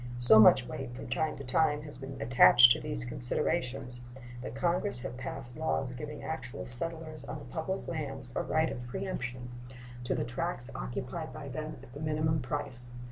So much weight has from time to time been attached to these considerations that Congress have passed laws giving actual settlers on the public lands a right of preemption to the tracts occupied by them at the minimum price.